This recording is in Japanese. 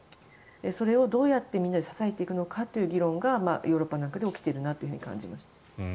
それをどうやって、みんなで支えていくのかという議論がヨーロッパなんかで起きているなと感じました。